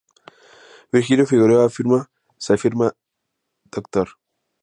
Virgilio Figueroa afirma: “Se firmaba Dr.